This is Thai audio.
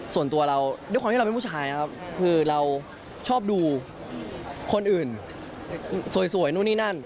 ส่วนตัวเราด้วยความที่เราเป็นผู้ชายนะครับคือเราชอบดูคนอื่นสวยนู่นนี่นั่น